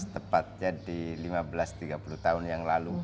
tepatnya di lima belas tiga puluh tahun yang lalu